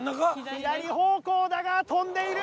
左方向だが飛んでいる！